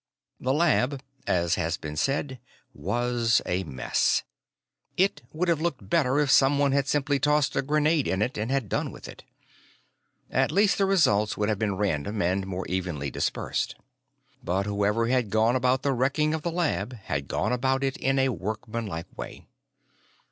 The lab as has been said was a mess. It would have looked better if someone had simply tossed a grenade in it and had done with it. At least the results would have been random and more evenly dispersed. But whoever had gone about the wrecking of the lab had gone about it in a workmanlike way.